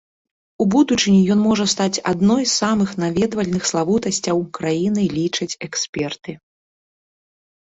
У будучыні ён можа стаць адной з самых наведвальных славутасцяў краіны, лічаць эксперты.